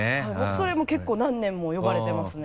それも結構何年も呼ばれてますね。